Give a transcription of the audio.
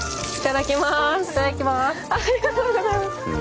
ありがとうございます。